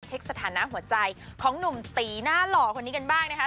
สถานะหัวใจของหนุ่มตีหน้าหล่อคนนี้กันบ้างนะคะ